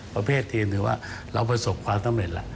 ประเภททีมถือว่าเราประสบความสำเร็จแล้ว